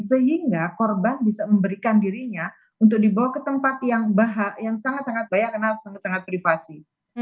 sehingga korban bisa memberikan dirinya untuk dibawa ke tempat yang sangat sangat banyak karena sangat sangat privasi